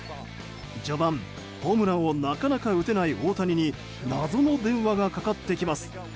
序盤、ホームランをなかなか打てない大谷に謎の電話がかかってきます。